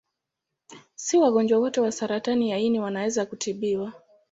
Si wagonjwa wote wa saratani ya ini wanaweza kutibiwa.